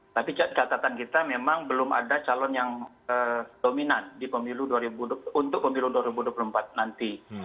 tapi catatan kita memang belum ada calon yang dominan untuk pemilu dua ribu dua puluh empat nanti